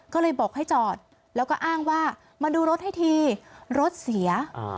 ก็เลยบอกให้จอดแล้วก็อ้างว่ามาดูรถให้ทีรถเสีย